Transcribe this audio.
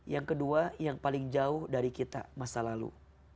yang kedua yang paling jauh dari kita masa lalu